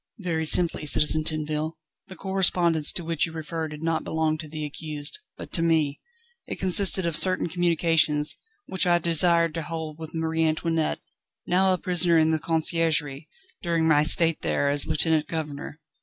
"Very simply, Citizen Tinville. The correspondence to which you refer did not belong to the accused, but to me. It consisted of certain communications, which I desired to hold with Marie Antoinette, now a prisoner in the Conciergerie, during my state there as lieutenant governor.